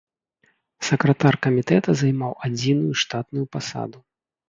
Сакратар камітэта займаў адзіную штатную пасаду.